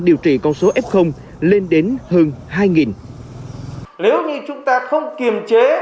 điều trị con số f lên đến hơn hai nếu như chúng ta không kiềm chế